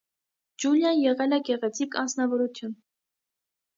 Ջուլիան եղել է գեղեցիկ անձնավորություն։